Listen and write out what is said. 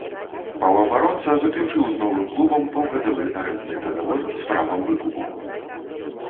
Паўабаронца заключыў з новым клубам паўгадавы арэндны дагавор з правам выкупу.